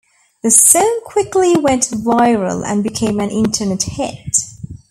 The song quickly went viral and became an internet hit.